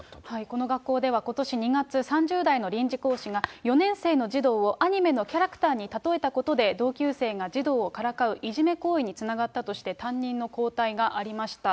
この学校ではことし２月、３０代の臨時講師が４年生の児童をアニメのキャラクターに例えたことで同級生が児童をからかういじめ行為につながったとして、担任の交代がありました。